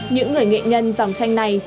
những người nghệ nhân dòng tranh này